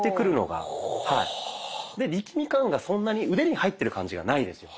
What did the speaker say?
で力み感がそんなに腕に入ってる感じがないですよね。